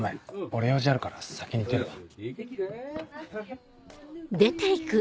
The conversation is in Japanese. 俺用事あるから先に出るわ。